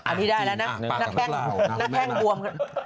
อันนี้ได้แล้วนะหน้าแข้งบวม